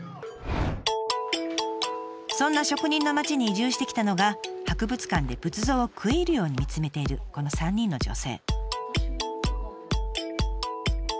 そんな職人の町に移住してきたのが博物館で仏像を食い入るように見つめているこの３人の女性。